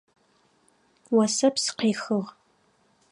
Осэпс къехыгъ.